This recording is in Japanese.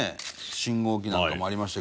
信号機なんかもありました。